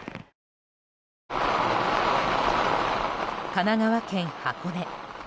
神奈川県箱根。